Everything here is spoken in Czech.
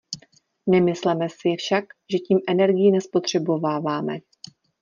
Nemysleme si však, že tím energii nespotřebováváme.